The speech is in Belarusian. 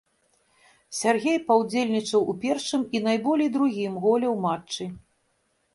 Сяргей паўдзельнічаў у першым і найболей другім голе ў матчы.